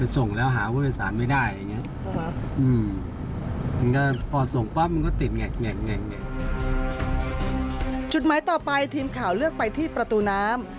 จุดหมายต่อไปทีมข่าวเลือกไปที่ประตูน้ำ